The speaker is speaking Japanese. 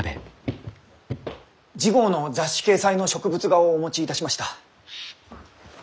次号の雑誌掲載の植物画をお持ちいたしました。